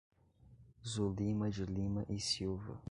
Zulima de Lima E Silva